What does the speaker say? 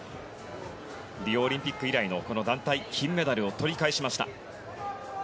リオオリンピック以来の団体金メダルを取り返しました。